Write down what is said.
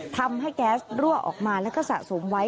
ทำให้แก๊สรั่วออกมาแล้วก็สะสมไว้